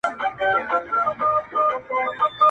اشنا مي کوچ وکړ کوچي سو٫